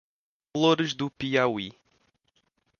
Flores do Piauí